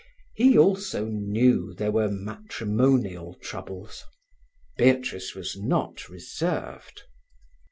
He also knew there were matrimonial troubles: Beatrice was not reserved.